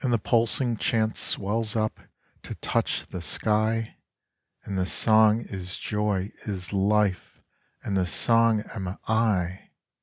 And the pulsing chant swells upTo touch the sky, And the song is joy, is life, And the song am I!